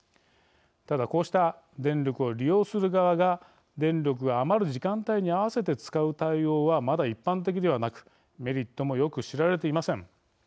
ただ、こうした電力を利用する側が電力が余る時間帯に合わせて使う対応はまだ一般的ではなくメリットもよく知られていません。